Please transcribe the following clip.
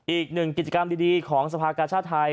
อีกหนึ่งกิจกรรมดีของสภากาชาติไทย